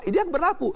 ini yang berlaku